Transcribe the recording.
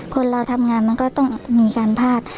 คนเราทำงานมันก็ต้องมีการพลาด